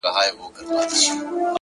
نن بيا يوې پيغلي په ټپه كي راته وژړل.!